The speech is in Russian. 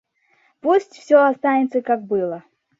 Пусть все останется, как было.